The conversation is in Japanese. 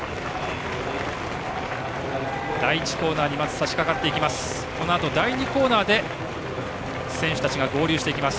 第１コーナーにさしかかっていきます。